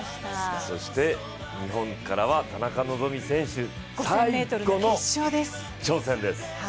日本からは田中希実選手、最後の挑戦です。